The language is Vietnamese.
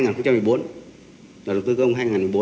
luật đầu tư công hai nghìn một mươi bốn